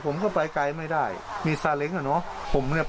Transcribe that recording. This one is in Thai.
ผมก็ไม่มีตังค์เลย